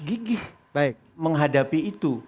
gigih menghadapi itu